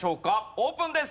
オープンです！